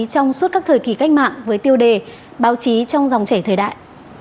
trong suốt các thời kỳ cách mạng với tiêu đề báo chí trong dòng chảy thời đại